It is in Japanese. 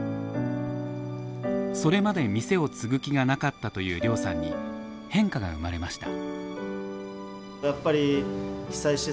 それまで店を継ぐ気がなかったという涼さんに変化が生まれました。